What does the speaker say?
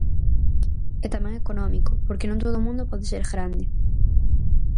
E tamén económico, porque non todo o mundo pode ser grande.